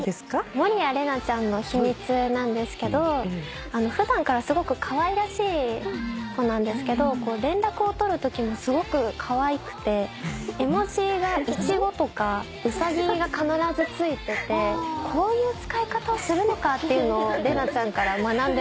守屋麗奈ちゃんの秘密なんですけど普段からすごくかわいらしい子なんですけど連絡を取るときもすごくかわいくて絵文字がイチゴとかウサギが必ず付いててこういう使い方をするのかっていうのを麗奈ちゃんから学んでますね。